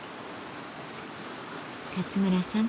勝村さん